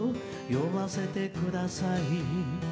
「呼ばせてください」